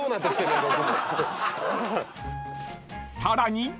［さらに］